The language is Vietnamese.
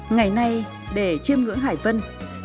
ngày nay để chiêm ngưỡng hải vân